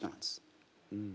うん。